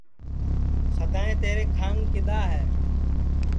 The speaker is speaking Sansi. سدائیں تیرے کھانگ کدؔا ہے